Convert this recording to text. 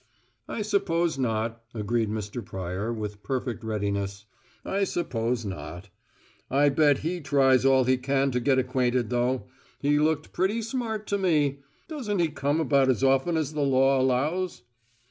"I suppose not," agreed Mr. Pryor, with perfect readiness. "I suppose not. I'll bet he tries all he can to get acquainted though; he looked pretty smart to me. Doesn't he come about as often as the law allows?"